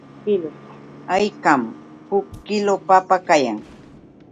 ¿Haykam huk kiilu papa kayan?